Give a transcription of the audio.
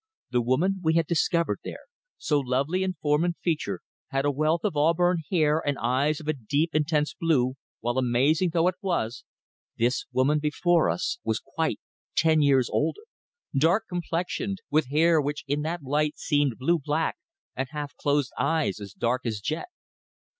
The woman we had discovered there, so lovely in form and feature, had a wealth of auburn hair, and eyes of a deep intense blue, while, amazing though it was, this woman before us was quite ten years older, dark complexioned, with hair which in that light seemed blue black, and half closed eyes as dark as jet.